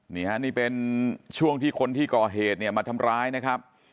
นี่ฮะนี่เป็นช่วงที่คนที่ก่อเหตุเนี่ยมาทำร้ายนะครับ